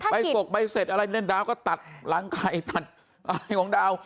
ไปสกไปเสร็จอะไรดาวก็ตัดร้างไข่ตัดอะไรของดาวน์